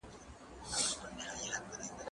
زه پرون موسيقي اورم وم؟!